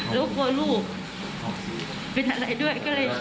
หรือกลัวลูกเป็นอะไรด้วย